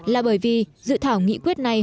là bởi vì sự thảo nghị quyết này